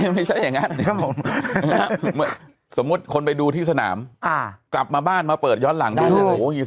ไม่ใช่อย่างนั้นครับผมสมมุติคนไปดูที่สนามกลับมาบ้านมาเปิดย้อนหลังได้เลย